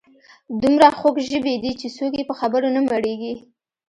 دومره خوږ ژبي دي چې څوک یې په خبرو نه مړیږي.